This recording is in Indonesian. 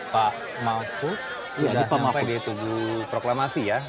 pak mahfud sudah sampai di tubuh proklamasi ya